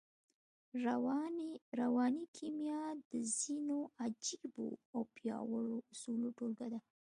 رواني کيميا د ځينو عجييو او پياوړو اصولو ټولګه ده.